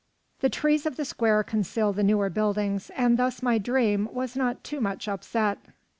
The trees of the square conceal the newer buildings, and thus my dream was not too much upset.